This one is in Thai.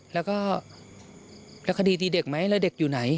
แล้วก็แล้วคดีตีเด็กไหมแล้วเด็กอยู่ไหน